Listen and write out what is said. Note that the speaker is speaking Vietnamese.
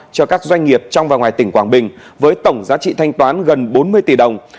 cho các doanh nghiệp trong và ngoài tỉnh quảng bình với tổng giá trị thanh toán gần bốn mươi tỷ đồng